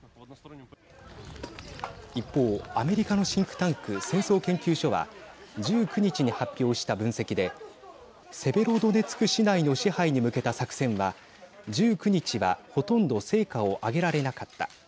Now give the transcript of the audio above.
一方、アメリカのシンクタンク戦争研究所は１９日に発表した分析でセベロドネツク市内の支配に向けた作戦は１９日は、ほとんど成果を挙げられなかった。